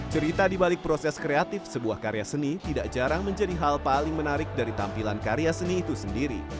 cerita di balik proses kreatif sebuah karya seni tidak jarang menjadi hal paling menarik dari tampilan karya seni itu sendiri